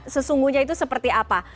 sesungguhnya itu seperti apa